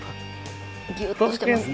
ギュッとしてますね。